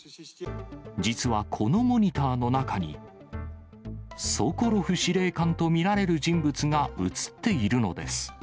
実はこのモニターの中に、ソコロフ司令官と見られる人物が写っているのです。